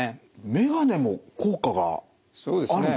メガネも効果があるんですか。